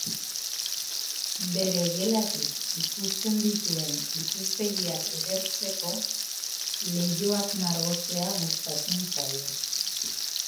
Bere gelatik ikusten dituen ikuspegiak edertzeko, leihoak margotzea gustatzen zaio.